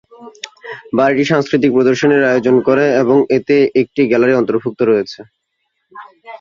বাড়িটি সাংস্কৃতিক প্রদর্শনীর আয়োজন করে এবং এতে একটি গ্যালারী অন্তর্ভুক্ত রয়েছে।